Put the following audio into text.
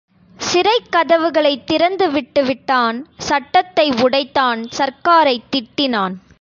சிறைக் கதவுகளைத் திறந்துவிட்டு விட்டான், சட்டத்தை உடைத்தான், சர்க்காரைத் திட்டினான்.